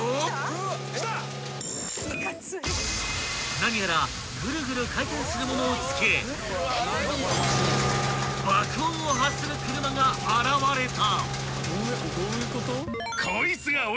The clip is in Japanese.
［何やらぐるぐる回転する物を付け爆音を発する車が現れた］